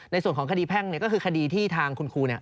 ในส่วนของคดีแพ่งก็คือคดีที่ทางคุณครู